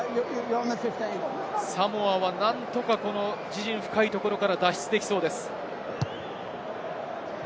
サモアは、何とか自陣深いところから脱出できそうです。